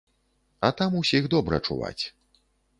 А там усіх добра чуваць.